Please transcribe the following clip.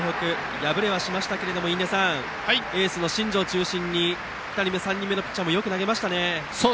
敗れはしましたけれども印出さん、エースの新庄を中心に２人目、３人目のピッチャーもよく投げましたね。